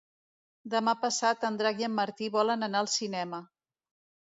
Demà passat en Drac i en Martí volen anar al cinema.